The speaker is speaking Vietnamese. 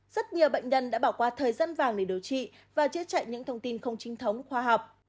rất nhiều bệnh nhân đã bỏ qua thời gian vàng để điều trị và chữa chạy những thông tin không chính thống khoa học